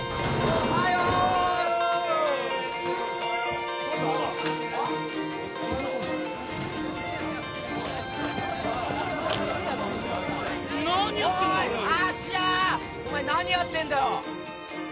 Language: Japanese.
おい芦屋お前何やってんだよ？